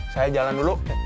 saya jalan dulu